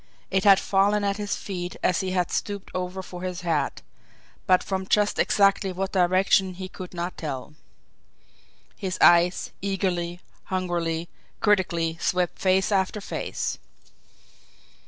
It had fallen at his feet as he had stooped over for his hat but from just exactly what direction he could not tell. His eyes, eagerly, hungrily, critically, swept face after face.